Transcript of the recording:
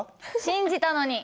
信じたのに！